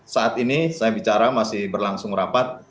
saat ini saya bicara masih berlangsung rapat